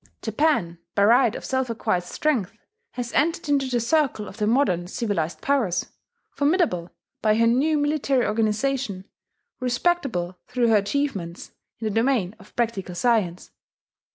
Japan, by right of self acquired strength, has entered into the circle of the modern civilized powers, formidable by her new military organization, respectable through her achievements in the domain of practical science.